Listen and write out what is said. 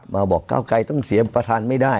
บอกก้าวไกรต้องเสียประธานไม่ได้